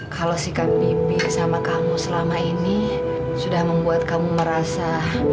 kalau si kang bibi sama kamu selama ini sudah membuat kamu merasa